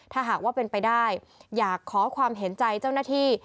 ถ้าหากว่าเป็นไปได้อยากขอความเห็นใจเจ้าหน้าที่